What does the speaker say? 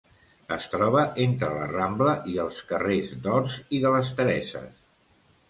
Es troba entre la Rambla i els carrers d'Horts i de les Tereses.